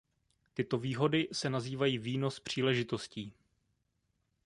Tyto výhody se nazývají "výnos příležitostí".